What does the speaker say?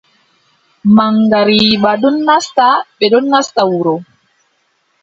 Maŋgariiba ɗon nasta, ɓe ɗon nasta wuro.